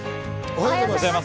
おはようございます。